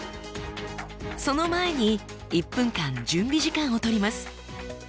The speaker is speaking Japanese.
その前に１分間準備時間を取ります。